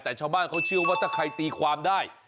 แต่ชาวบ้านเขาเชื่อว่าถ้าใครตีความได้